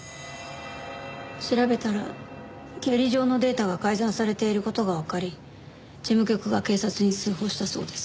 調べたら経理上のデータが改ざんされている事がわかり事務局が警察に通報したそうです。